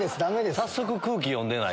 早速空気読んでない。